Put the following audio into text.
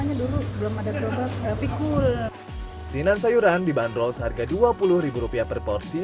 asinan sayuran dibanderol seharga dua puluh ribu rupiah per porsi